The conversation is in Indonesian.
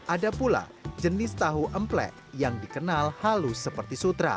ada pula jenis tahu emplek yang dikenal halus seperti sutra